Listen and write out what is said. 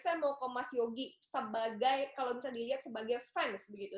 saya mau ke mas yogi sebagai kalau bisa dilihat sebagai fans begitu